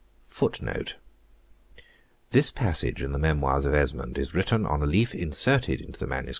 * This passage in the Memoirs of Esmond is written on a leaf inserted into the MS.